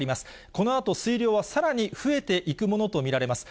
このあと、水量はさらに増えていくものと見られます。